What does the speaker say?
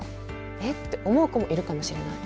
「えっ」って思う子もいるかもしれない。